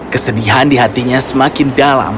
kesedihan di hatinya semakin dalam